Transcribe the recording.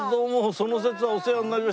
その節はお世話になりまして。